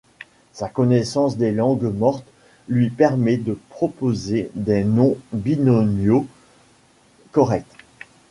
Sa connaissance des langues mortes lui permet de proposer des noms binomiaux corrects.